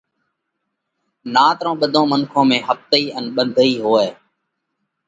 نات رون ٻڌون منکون ۾ ۿپتئِي ان ٻنڌئِي هوئہ۔